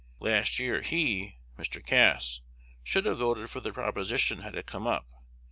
Last year he (Mr. Cass) should have voted for the proposition had it come up.